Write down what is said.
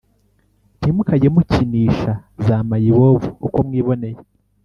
Ntimukajye mukinisha za mayibobo uko mwiboneye